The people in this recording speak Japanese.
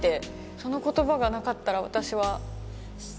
その言葉がなかったら私は。